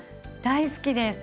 大好きです。